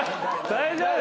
大丈夫。